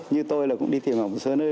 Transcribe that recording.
như tôi là cũng đi tìm ở một số nơi